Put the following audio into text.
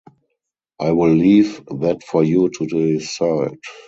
I will leave that for you to decide.